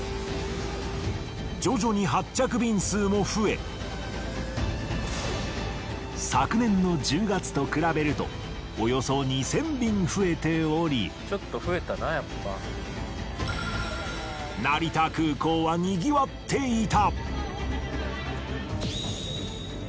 徐々に発着便数も増え昨年の１０月と比べるとおよそ２，０００便増えており成田空港はにぎわっていた。